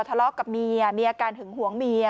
ทะเลาะกับเมียมีอาการหึงหวงเมีย